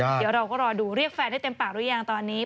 เดี๋ยวเราก็รอดูเรียกแฟนได้เต็มปากหรือยังตอนนี้